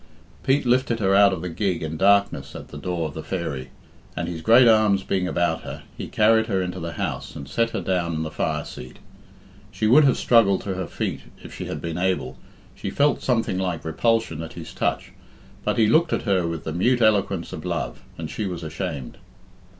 Pete lifted her out of the gig in darkness at the door of the "Fairy," and, his great arms being about her, he carried her into the house and set her down in the fire seat. She would have struggled to her feet if she had been able; she felt something like repulsion at his touch; but he looked at her with the mute eloquence of love, and she was ashamed.